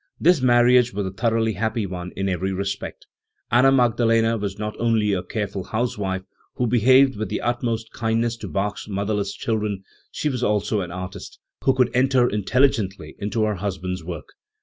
This marriage was a thoroughly happy one in every respect. Anna Magdalena was not only a careful housewife, who behaved with the utmost kindness to Bach's motherless children; she was also an artist, who could enter intel ligently into her husband's work.